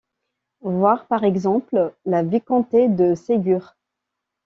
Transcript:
Voir par exemple la vicomté de Ségur.